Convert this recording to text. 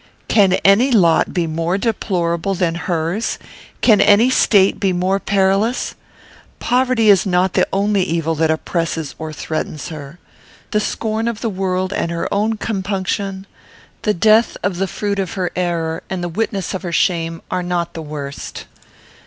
Can any lot be more deplorable than hers? Can any state be more perilous? Poverty is not the only evil that oppresses or that threatens her. The scorn of the world, and her own compunction, the death of the fruit of her error and the witness of her shame, are not the worst.